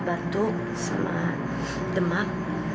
batuk sama demam